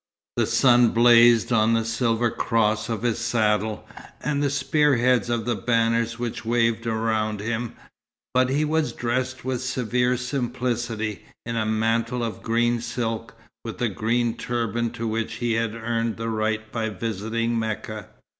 The sun blazed on the silver cross of his saddle, and the spear heads of the banners which waved around him; but he was dressed with severe simplicity, in a mantle of green silk, with the green turban to which he had earned the right by visiting Mecca.